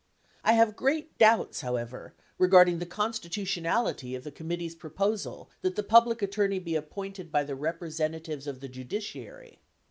I have great doubts, however, regarding the constitutionality of the committee's proposal that the Public Attorney be appointed by the representatives of the Judiciary.